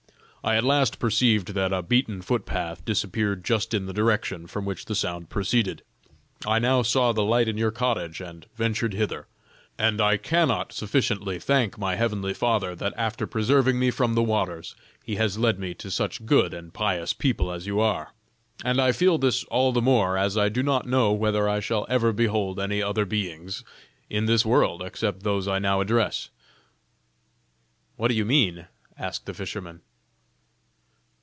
I at last perceived that a beaten foot path disappeared just in the direction from which the sound proceeded. I now saw the light in your cottage, and ventured hither, and I cannot sufficiently thank my heavenly Father that after preserving me from the waters, He has led me to such good and pious people as you are; and I feel this all the more, as I do not know whether I shall ever behold any other beings is this world, except those I now address." "What do you mean?" asked the fisherman.